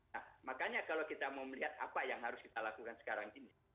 nah makanya kalau kita mau melihat apa yang harus kita lakukan sekarang ini